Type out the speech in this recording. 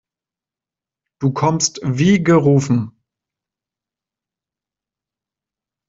Du kommst wie gerufen.